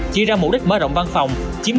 chỉ ra mục đích mở rộng văn phòng